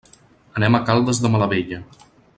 Anem a Caldes de Malavella.